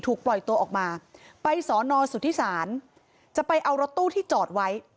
ถูกปล่อยตัวออกมาไปสอถีสารจะไปเอารถตู้ที่จอดไว้